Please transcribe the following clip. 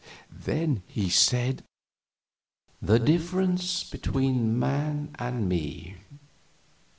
Then he said: "The difference between man and me?